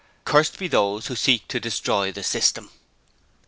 Cursed be those who seek to destroy the System!'